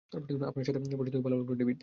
আপনার সাথে পরিচিত হয়ে ভালো লাগলো, ডেভিড।